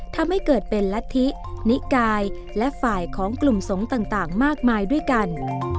ทำให้เกิดเป็นรัฐธินิกายและฝ่ายของกลุ่มสงฆ์ต่างมากมายด้วยกัน